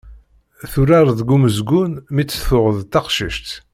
Turar deg umezgun mi tt-tuɣ d taqcict.